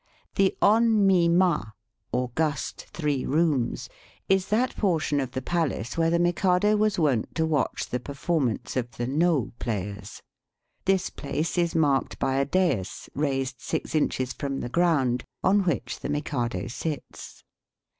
The On mi ma, august three rooms," is that portion of the palace where the Mikado was wont to watch the performance of the No players. This place is marked by a dais, raised six inches from the ground, on which the Mikado sits.